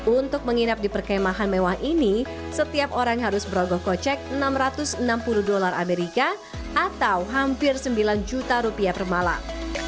untuk menginap di perkemahan mewah ini setiap orang harus berogoh kocek enam ratus enam puluh dolar amerika atau hampir sembilan juta rupiah per malam